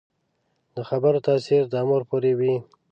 د خبرو تاثیر د عمر پورې وي